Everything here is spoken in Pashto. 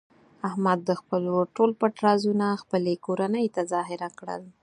احمد د خپل ورور ټول پټ رازونه خپلې کورنۍ ته ظاهره کړل.